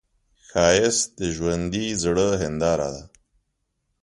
ښایست د ژوندي زړه هنداره ده